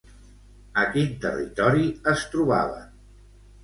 A quin territori es trobaven?